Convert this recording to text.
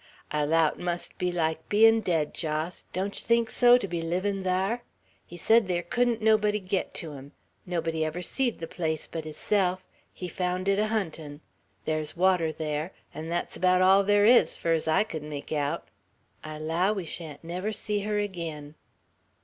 I allow 't must be like bein' dead, Jos, don't yer think so, to be livin' thar? He sed ther couldn't nobody git to 'em. Nobody ever seed the place but hisself. He found it a huntin'. Thar's water thar, 'n' thet's abaout all thar is, fur's I cud make aout; I allow we shan't never see her agin."